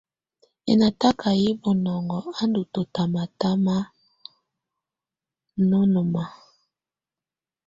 Ɛnataka yɛ́ bunɔŋɔ á ndɔ́ tɔŋanaŋana nɔŋɔna.